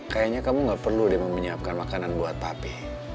kayanya kamu gak perlu deh memiapkan makanan buat papi